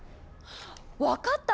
分かった！